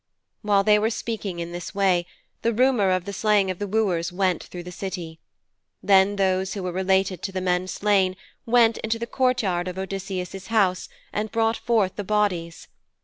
While they were speaking in this way the rumour of the slaying of the wooers went through the City. Then those who were related to the men slain went into the courtyard of Odysseus' house, and brought forth the bodies.